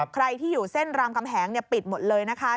ใครที่อยู่เส้นรามคำแหงปิดหมดเลยนะคะ